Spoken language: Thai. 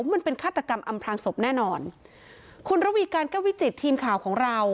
มันเป็นฆาตกรรมอำพลางศพแน่นอนคุณระวีการแก้ววิจิตทีมข่าวของเรา